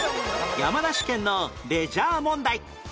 山梨県のレジャー問題